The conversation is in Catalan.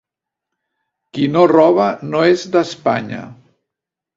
Qui no roba no és d'Espanya.